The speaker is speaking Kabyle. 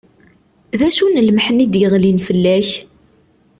D acu n lmeḥna i d-yeɣlin fell-ak?